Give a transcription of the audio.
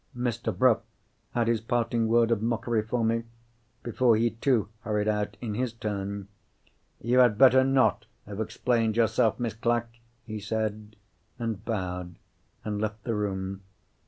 Mr. Bruff had his parting word of mockery for me, before he too hurried out, in his turn. "You had better not have explained yourself, Miss Clack," he said, and bowed, and left the room.